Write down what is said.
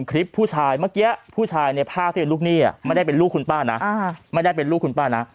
คลิปผู้ชายเมื่อกี้ผู้ชายในภาพที่เป็นลูกนี้ไม่ได้เป็นลูกคุณป้านะ